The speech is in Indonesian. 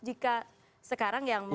jika sekarang yang